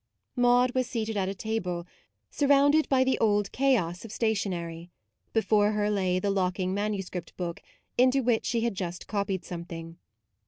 Maude was seated at a table, sur rounded by the old chaos of station ery; before her lay the locking manu script book, into which she had just copied something.